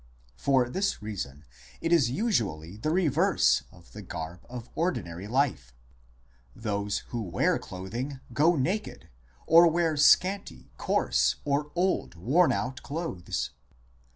For this reason it is usually the reverse of the garb of ordinary life ... those who wear clothing go naked, or wear scanty, coarse, or old worn out clothes.